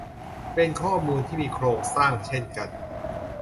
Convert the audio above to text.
เป็นข้อมูลที่มีโครงสร้างเช่นกัน